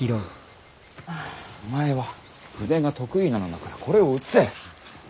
お前は筆が得意なのだからこれを写せ。